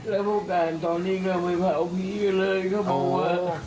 แล้วพวกการณ์ตอนนี้ก็ไปเผาผีกันเลยครับว่า